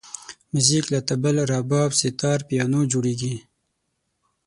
موزیک له طبل، رباب، ستار، پیانو جوړېږي.